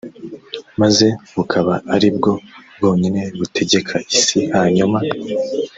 maze bukaba ari bwo bwonyine butegeka isi hanyuma